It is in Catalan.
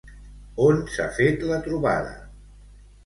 On s'ha fet la trobada?